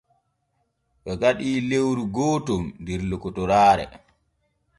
Ɓe gaɗi lewru gooton der lokotoraare.